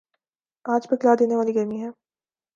آج پگھلا دینے والی گرمی ہے